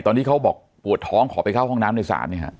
เขาบอกปวดท้องขอไปเข้าห้องน้ำในศาลเนี่ยฮะ